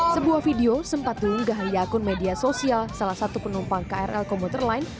sebuah video sempat diunggah di akun media sosial salah satu penumpang krl komuter line